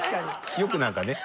よく何かね